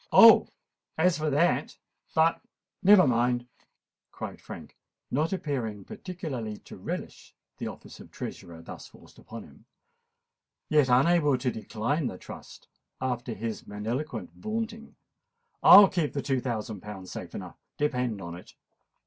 "Oh! as for that——But, never mind," cried Frank, not appearing particularly to relish the office of treasurer thus forced upon him, yet unable to decline the trust after his magniloquent vaunting: "I'll keep the two thousand safe enough, depend upon it."